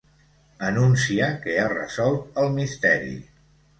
Anuncia que ha resolt el misteri.